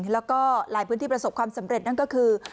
แล้วก็หลายพื้นที่ประสบความสำเร็จนั่นก็คือ